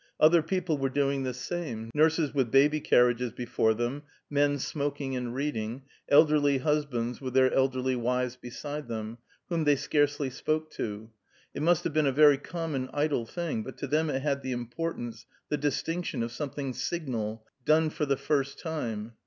Other people were doing the same: nurses with baby carriages before them; men smoking and reading; elderly husbands with their elderly wives beside them, whom they scarcely spoke to; it must have been a very common, idle thing, but to them it had the importance, the distinction of something signal, done for the first time.